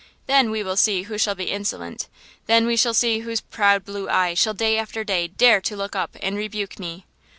Then we will see who shall be insolent; then we shall see whose proud blue eye shall day after day dare to look up and rebuke me.